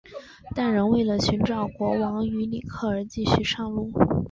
但仍为了寻找国王与里克而继续上路。